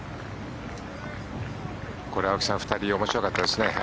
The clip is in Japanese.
これ、青木さん２人面白かったですね。